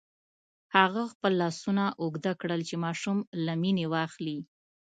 هغه خپل لاسونه اوږده کړل چې ماشوم له مينې واخلي.